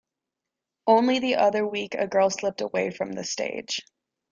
Only the other week a girl slipped away from the stage.